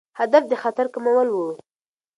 هدف د خطر کمول وو.